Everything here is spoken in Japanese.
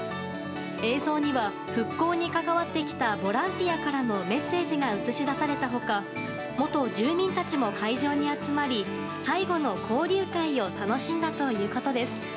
映像には復興に関わってきた人たちからのメッセージが映し出された他元住民たちも会場に集まり最後の交流会を楽しんだということです。